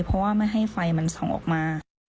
เพราะว่าไม่ให้ไฟมันส่องออกมา